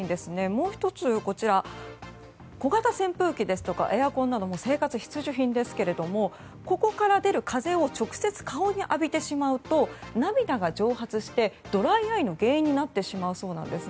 もう１つ、小型扇風機ですとかエアコンなど生活必需品ですけどここから出る風を直接、顔に浴びてしまうと涙が蒸発してドライアイの原因になってしまうそうなんです。